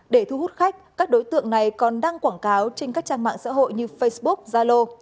để thu hút khách các đối tượng này còn đăng quảng cáo trên các trang mạng xã hội như facebook zalo